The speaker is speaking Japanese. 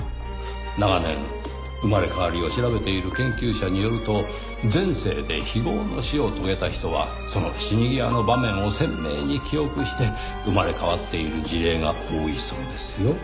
長年生まれ変わりを調べている研究者によると前世で非業の死を遂げた人はその死に際の場面を鮮明に記憶して生まれ変わっている事例が多いそうですよ。